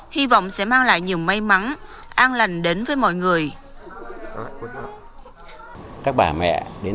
hy vọng sẽ mang lại nhiều may mắn an lành đến với mọi người